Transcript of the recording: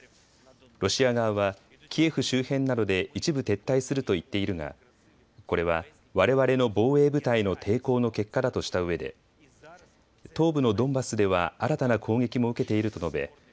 ロシア側はキエフ周辺などで一部撤退すると言っているがこれは、われわれの防衛部隊の抵抗の結果だとしたうえで東部のドンバスでは新たな攻撃も受けていると述べ